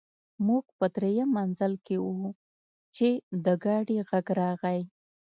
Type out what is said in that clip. موږ په درېیم منزل کې وو چې د ګاډي غږ راغی